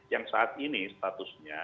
yang saat ini statusnya